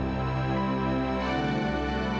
terima kasih sakitchu